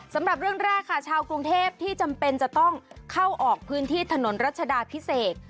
สำหรับเรื่องแรกค่ะชาวกรุงเทพที่จำเป็นจะต้องเข้าออกพื้นที่ถนนรัชดาพิเศษ